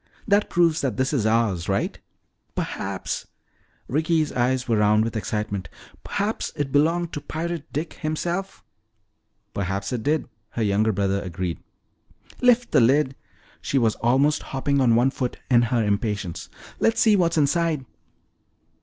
That proves that this is ours, all right." "Perhaps " Ricky's eyes were round with excitement, "perhaps it belonged to Pirate Dick himself!" "Perhaps it did," her younger brother agreed. "Lift the lid." She was almost hopping on one foot in her impatience. "Let's see what's inside."